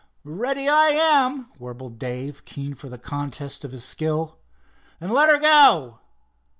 "Ready I am," warbled Dave, keen for the contest of his skill. "Then let her go."